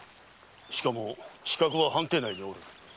しかも刺客は藩邸内におる。